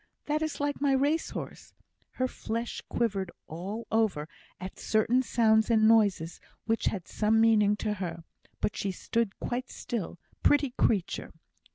That is like my race horse. Her flesh quivered all over, at certain sounds and noises which had some meaning to her; but she stood quite still, pretty creature!